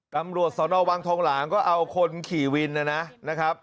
ตำรวจสนวังทองหลางก็เอาคนขี่วินนะครับ